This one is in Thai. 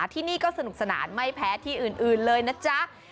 ที่นี่ก็สนุกสนานไม่แพ้ที่อื่นเลยนะจ๊ะ